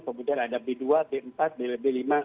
kemudian ada b dua b empat b lima